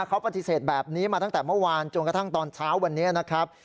เขาปฏิเสธแบบนี้มาตั้งแต่เมื่อวานจนกระทั่งตอนเช้าวันนี้นะครับ